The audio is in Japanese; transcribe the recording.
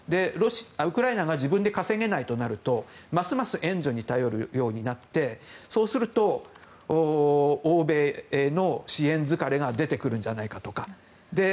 ウクライナが自分で稼げないとなるとますます援助に頼るようになってそうすると、欧米の支援疲れが出てくるんじゃないかとか。